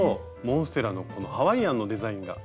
モンステラのこのハワイアンのデザインが。